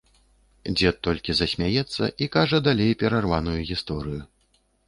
Дзед толькі засмяецца і кажа далей перарваную гісторыю.